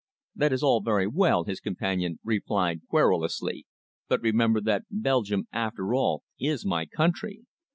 "That is all very well," his companion replied querulously, "but remember that Belgium, after all, is my country.